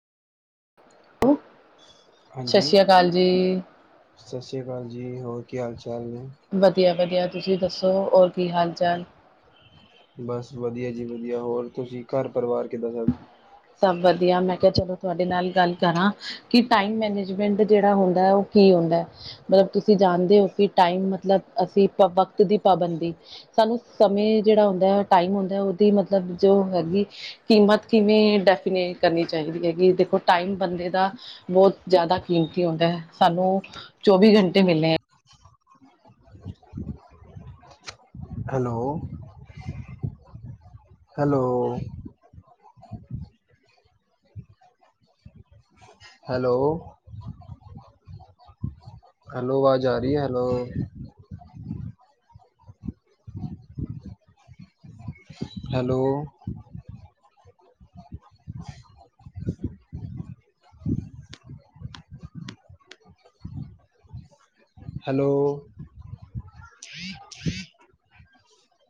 Hello! ਸਤਿ ਹਾਂਜੀ, ਸ਼੍ਰੀ ਅਕਾਲ ਜੀ। ਸਤਿ ਸ੍ਰੀ ਅਕਾਲ ਜੀ, ਹੋਰ ਕੀ ਹਾਲ ਚਾਲ ਨੇ? ਵਧੀਆ -ਵਧੀਆ ਤੁਸੀਂ ਦੱਸੋ, ਔਰ ਕੀ ਹਾਲ? ਬਸ ਵਧੀਆ ਜੀ ਵਧੀਆ, ਹੋਰ ਤੁਸੀਂ ਘਰ ਪਰਿਵਾਰ ਕਿੱਦਾਂ ਸਬ? ਸਭ ਵਧੀਆ, ਮੈਂ ਕਿਹਾ ਚਲੋ ਤੁਹਾਡੇ ਨਾਲ ਗੱਲ ਕਰਾਂ, ਕੀ ਟਾਈਮ ਮੈਨੇਜਮੈਂਟ ਜਿਹੜਾ ਹੁੰਦਾ ਏ, ਉਹ ਕੀ ਹੁੰਦਾ ਏ? ਮਤਲਬ ਤੁਸੀਂ ਜਾਣਦੇ ਹੋ ਕਿ ਟਮ ਮਤਲਬ ਅਸੀਂ ਵਕਤ ਦੀ ਪਾਬੰਦੀ ਸਾਨੂੰ ਸਮੇਂ ਜਿਹੜਾ ਹੁੰਦਾ ਹੈ, ਟਾਈਮ ਹੁੰਦਾ ਉਹਦੀ ਮਤਲਬ ਜੋ ਹੈਗੀ ਕੀਮਤ ਕਿਵੇਂ ਡੈਫੀਨੇ ਕਰਨੀ ਚਾਹੀਦੀ ਹੈ ਕਿ ਦੇਖੋ ਟਾਈਮ ਬੰਦੇ ਦਾ ਬੋਤ ਜਾਦਾ ਕੀਮਤੀ ਹੂੰਦਾ ਐ ਸਾਨੂੰ ਚੌਵੀ ਘੰਟੇ ਮਿਲੇ [unintelligible] ਹੈਲੋ। ਹੈਲੋ। ਹੈਲੋ। ਹੈਲੋ ਵਾਜ਼ ਆ ਰੀ ਐ ਹੈਲੋ। ਹੈਲੋ। ਹੈਲੋ। [unintelligible]